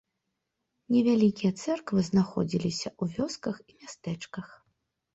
Невялікія цэрквы знаходзіліся ў вёсках і мястэчках.